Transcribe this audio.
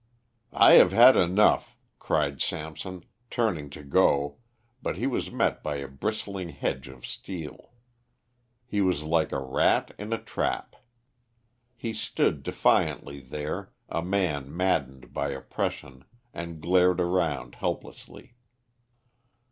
"I have had enough," cried Samson, turning to go, but he was met by a bristling hedge of steel. He was like a rat in a trap. He stood defiantly there, a man maddened by oppression, and glared around helplessly.